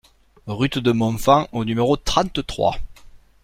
Rue de Montfand au numéro trente-trois